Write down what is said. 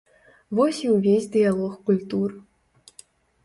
Вось і ўвесь дыялог культур.